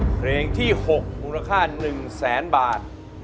เพลงที่๖มูลค่า๑แสนบาท